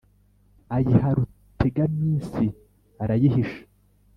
ayiha rutegaminsi arayihisha